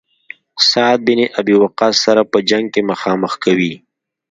سعد بن ابي وقاص سره په جنګ کې مخامخ کوي.